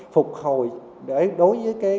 phục hồi để đối với